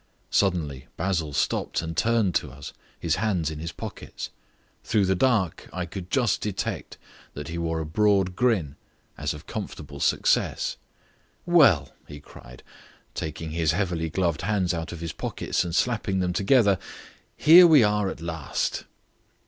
Suddenly Basil stopped and turned to us, his hands in his pockets. Through the dusk I could just detect that he wore a broad grin as of comfortable success. "Well," he cried, taking his heavily gloved hands out of his pockets and slapping them together, "here we are at last."